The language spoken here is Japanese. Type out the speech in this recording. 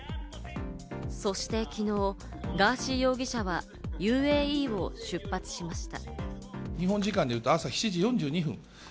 そしてきのう、ガーシー容疑者はＵＡＥを出発しました。